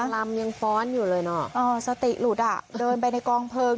ลำยังฟ้อนอยู่เลยเนอะสติหลุดอ่ะเดินไปในกองเพลิง